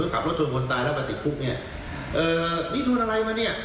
ขับรถชนคนตายแล้วมาติดคุกเนี่ยเอ่อนี่โดนอะไรมาเนี่ย